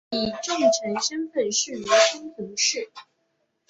以重臣身份仕于松平氏。